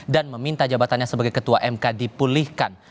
dan meminta jabatannya sebagai ketua mk dipulihkan